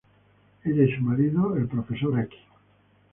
Ella y su marido, el Prof.